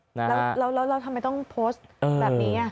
ฮแล้วทำไมให้ต้องโพสต์แบบนี้